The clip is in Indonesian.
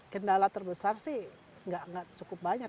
kendala terbesar sih nggak cukup banyak